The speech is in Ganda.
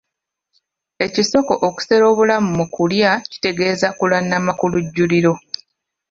Ekisoko okusera obulamu mu kulya kitegeeza kulannama ku lujjuliro.